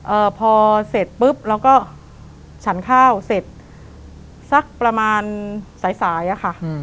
เอ่อพอเสร็จปุ๊บเราก็ฉันข้าวเสร็จสักประมาณสายสายอะค่ะอืม